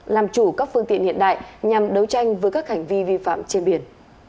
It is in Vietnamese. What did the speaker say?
làm chủ các phương tiện hiện đại nhằm đấu tranh với các hành vi vi phạm trên biển